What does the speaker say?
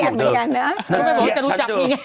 กูก็บอกจะดูจักกาดวิย่อเลย